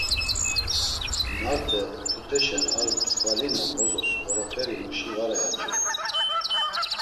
Marte oput̆eşen ar mskvalina bozos oroperi muşi var eaç̌opu.